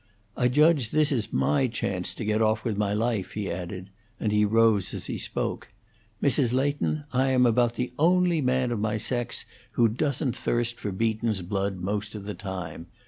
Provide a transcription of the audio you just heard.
"I judge this is my chance to get off with my life," he added, and he rose as he spoke. "Mrs. Leighton, I am about the only man of my sex who doesn't thirst for Beaton's blood most of the time.